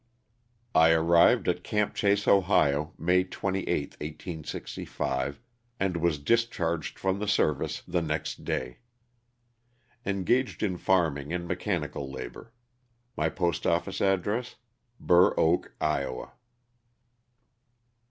I arrived at "Camp Chase," Ohio, May 28, 1865, and was discharged from the service the next day. Engaged in farming and mechanical labor; my post office address, Burr Oak, Iowa.